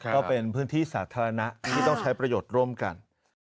ก็เป็นพื้นที่สาธารณะที่ต้องใช้ประโยชน์ร่วมกัน